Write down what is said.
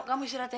kamu istirahat ya